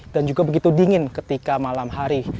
dan juga begitu dingin ketika malam hari